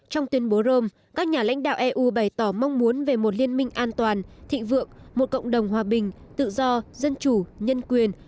trong tuyên bố rome các nhà lãnh đạo eu bày tỏ mong muốn về một liên minh an toàn thịnh vượng một cộng đồng hòa bình tự do dân chủ nhân quyền